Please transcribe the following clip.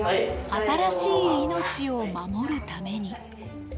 新しい命を守るために。